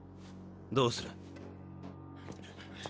どうする？